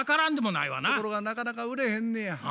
ところがなかなか売れへんねや。